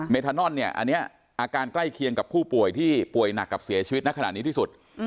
ทานอนเนี่ยอันนี้อาการใกล้เคียงกับผู้ป่วยที่ป่วยหนักกับเสียชีวิตในขณะนี้ที่สุด